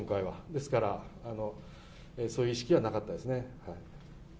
ですから、そういう意識はなかったですね。